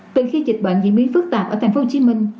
từ khi dịch bệnh diễn biến phức tạp ở thành phố hồ chí minh